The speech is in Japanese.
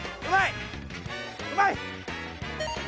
うまい！